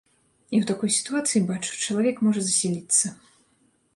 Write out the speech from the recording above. І ў такой сітуацыі, бачу, чалавек можа засіліцца.